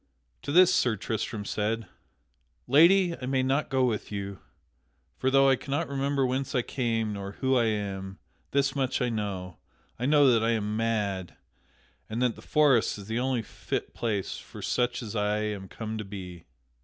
To this Sir Tristram said: "Lady, I may not go with you. For though I cannot remember whence I came, nor who I am, this much I know I know that I am mad, and that the forest is the only fit place for such as I am come to be."